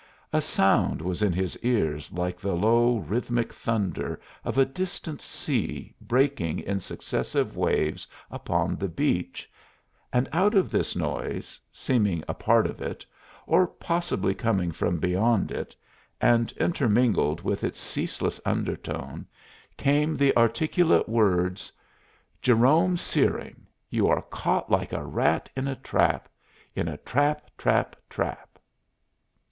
A sound was in his ears like the low, rhythmic thunder of a distant sea breaking in successive waves upon the beach, and out of this noise, seeming a part of it, or possibly coming from beyond it, and intermingled with its ceaseless undertone, came the articulate words: "Jerome Searing, you are caught like a rat in a trap in a trap, trap, trap."